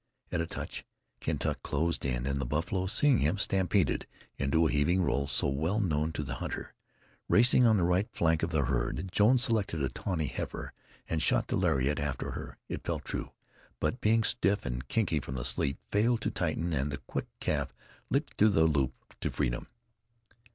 At a touch, Kentuck closed in, and the buffalo, seeing him, stampeded into the heaving roll so well known to the hunter. Racing on the right flank of the herd, Jones selected a tawny heifer and shot the lariat after her. It fell true, but being stiff and kinky from the sleet, failed to tighten, and the quick calf leaped through the loop to freedom.